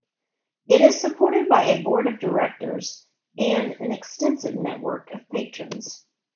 It is supported by a board of directors and an extensive network of patrons.